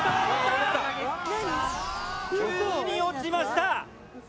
急に落ちました。